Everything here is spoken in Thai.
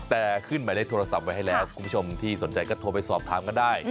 แต่ขึ้นหมายเลขโทรศัพท์ไว้ให้แล้วคุณผู้ชมที่สนใจก็โทรไปสอบถามกันได้